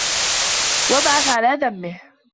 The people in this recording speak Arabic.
وَأَبْعَثَ عَلَى ذَمِّهِ